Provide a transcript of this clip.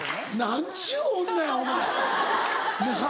何ちゅう女やお前！なぁ。